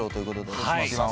よろしくお願いします。